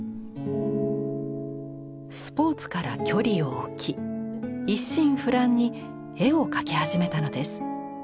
スポーツから距離を置き一心不乱に絵を描き始めたのです。